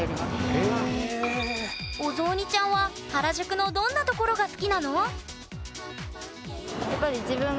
お雑煮ちゃんは原宿のどんなところが好きなの？